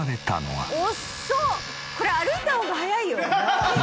これ歩いた方が速いよ」